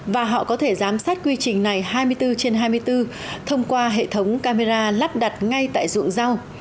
và họ có thể giám sát quy trình này hai mươi bốn trên hai mươi bốn thông qua hệ thống camera lắp đặt ngay tại ruộng rau